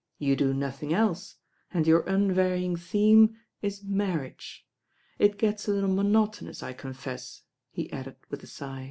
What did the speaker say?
"You do noth ing else, and your unvarying theme is marriage. It gets a little monotonous, I confess," he added with a sigh.